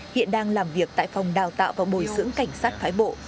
hiện đang làm việc tại phòng đào tạo và bồi dưỡng cảnh sát phái bộ